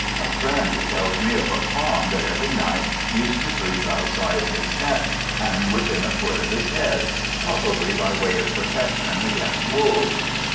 A friend tells me of a fawn that every night used to sleep outside his tent and within a foot of his head, probably by way of protection against wolves.